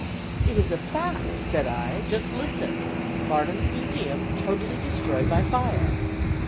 "It is a fact," said I, "just listen; 'Barnum's Museum totally destroyed by fire.